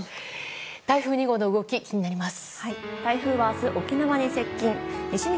台風２号の動き、気になります。